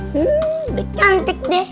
hmm udah cantik deh